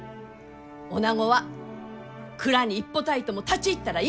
おなごは蔵に一歩たりとも立ち入ったらいかん！